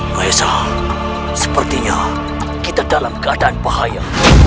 kaisang sepertinya kita dalam keadaan bahaya